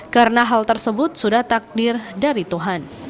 karena hal tersebut sudah takdir dari tuhan